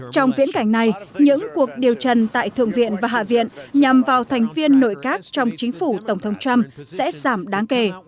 trong viễn cảnh này những cuộc điều trần tại thượng viện và hạ viện nhằm vào thành viên nội các trong chính phủ tổng thống trump sẽ giảm đáng kể